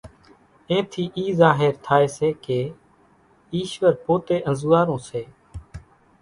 اين ٿي اِي ظاھر ٿائي سي ڪي ايشور پوتي انزوئارون سي،